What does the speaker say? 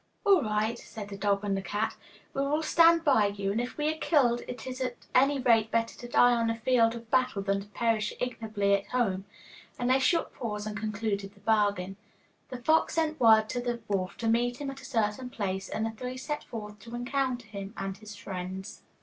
'All right,' said the dog and the cat, 'we will stand by you, and if we are killed, it is at any rate better to die on the field of battle than to perish ignobly at home,' and they shook paws and concluded the bargain. The fox sent word to the wolf to meet him at a certain place, and the three set forth to encounter him and his friends.